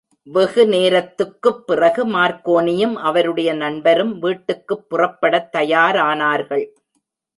வெகு நேரத்துக்குப் பிறகு, மார்க்கோனியும் அவருடைய நண்பரும் வீட்டுக்குப் புறப்படத் தயாரானார்கள்.